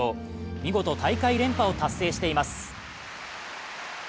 見事、大会連覇を達成しています。